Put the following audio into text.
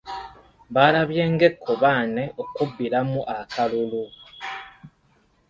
Balabye ng'ekkobaane okubbiramu akalulu.